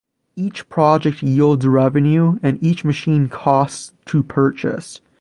Each project yields revenue and each machine costs to purchase.